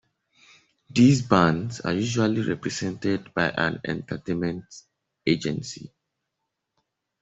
These bands are usually represented by an 'entertainment agency'.